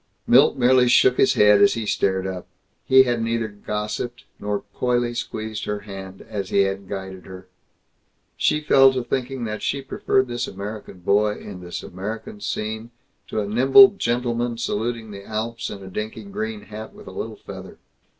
Milt merely shook his head as he stared up. He had neither gossiped nor coyly squeezed her hand as he had guided her. She fell to thinking that she preferred this American boy in this American scene to a nimble gentleman saluting the Alps in a dinky green hat with a little feather.